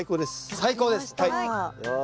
最高です！